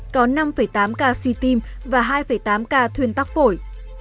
có năm tám ca suy tim và hai tám ca thuyên tắc phổi